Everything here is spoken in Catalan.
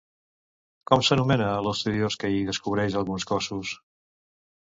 Com s'anomena l'estudiós que hi descobreix alguns cossos?